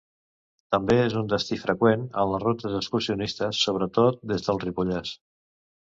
També és un destí freqüent en les rutes excursionistes, sobretot des del Ripollès.